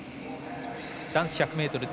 男子１００ｍＴ